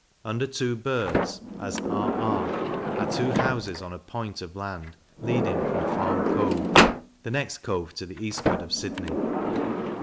Under two birds, as r r, are two Houses on a point of land leading from Farm Cove, the next cove to the eastward of Sydney.